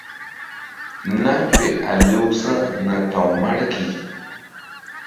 Naŋ fe a lewsa̧ na ta̧w Marki.